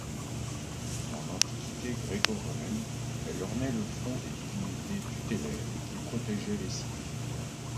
Dans l'Antiquité gréco-romaine, elle ornait le front des divinités tutélaires qui protégeaient les cités.